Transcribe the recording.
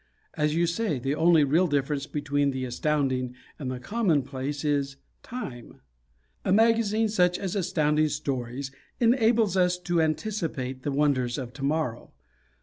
As you say, the only real difference between the Astounding and the Commonplace is Time. A magazine such as Astounding Stories enables us to anticipate the wonders of To morrow.